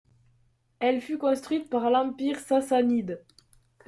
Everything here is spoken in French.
Elle fut construite par l'Empire sassanide.